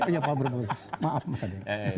saya nggak mau berumur maaf mas adek